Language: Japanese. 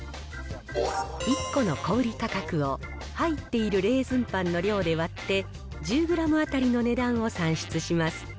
１個の小売り価格を、入っているレーズンパンの量で割って、１０グラム当たりの値段を算出します。